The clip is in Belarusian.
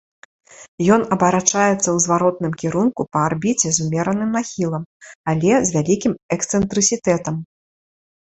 Ён абарачаецца ў зваротным кірунку па арбіце з умераным нахілам, але з вялікім эксцэнтрысітэтам.